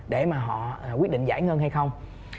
để mà họ quyết định giải ngân hay không